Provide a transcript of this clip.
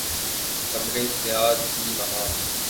کمریں سیاہ تھیں وہاں